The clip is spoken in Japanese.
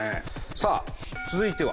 さあ続いては。